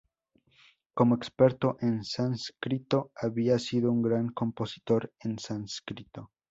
Como experto en sánscrito, había sido un gran compositor en sánscrito.